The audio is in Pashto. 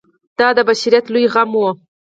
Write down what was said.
دا د بشریت لوی غم و.